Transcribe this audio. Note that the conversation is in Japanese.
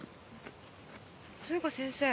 そういえば先生